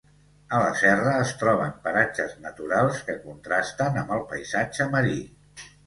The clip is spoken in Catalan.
A la serra es troben paratges naturals, que contrasten amb el paisatge marí.